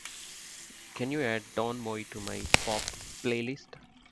Can you add don moye to my Pop playlist?